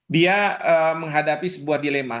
dia menghadapi sebuah dilema